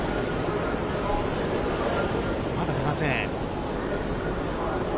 まだ出ません。